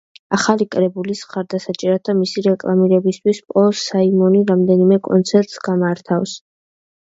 ახალი კრებულის მხარდასაჭერად და მისი რეკლამირებისთვის პოლ საიმონი რამდენიმე კონცერტს გამართავს.